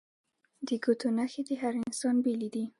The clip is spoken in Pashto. د ګوتو نښې د هر انسان بیلې دي